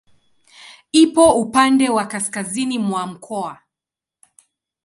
Ipo upande wa kaskazini mwa mkoa.